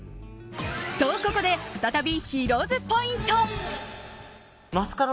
と、ここで再びヒロ’ｓポイント。